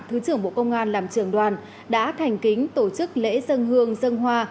thứ trưởng bộ công an làm trường đoàn đã thành kính tổ chức lễ dân hương dân hoa